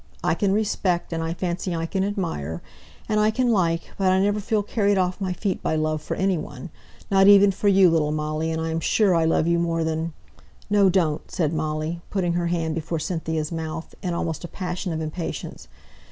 I can respect, and I fancy I can admire, and I can like, but I never feel carried off my feet by love for any one, not even for you, little Molly, and I'm sure I love you more than " "No, don't!" said Molly, putting her hand before Cynthia's mouth, in almost a passion of impatience.